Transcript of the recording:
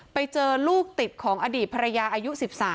ไปเจอลูกติดของอดีตภรรยาอายุ๑๓